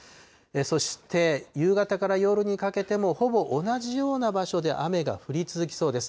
そして夕方から夜にかけても、ほぼ同じような場所で雨が降り続きそうです。